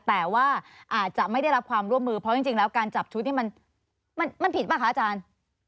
แต่ว่าอาจจะไม่ได้รับความร่วมมือเพราะจริงแล้วการจับชุดนี้มันผิดป่ะคะอาจารย์